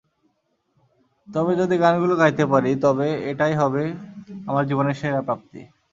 তবে যদি গানগুলো গাইতে পারি, তবে এটাই হবে আমার জীবনের সেরা প্রাপ্তি।